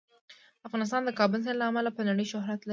افغانستان د کابل سیند له امله په نړۍ شهرت لري.